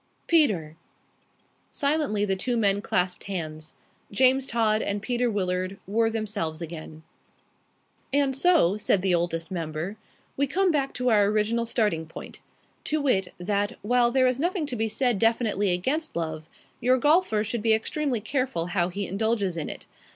"Peter!" Silently the two men clasped hands. James Todd and Peter Willard were themselves again. And so (said the Oldest Member) we come back to our original starting point to wit, that, while there is nothing to be said definitely against love, your golfer should be extremely careful how he indulges in it.